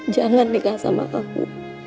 jangan nikah sama aku